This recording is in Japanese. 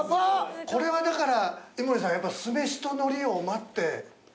これはだから井森さん酢飯と海苔を待って。